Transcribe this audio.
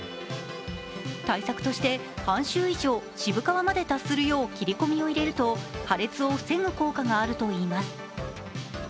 対策として、半周以上、渋皮まで達するよう切り込みを入れると、破裂を防ぐ効果があるといいます。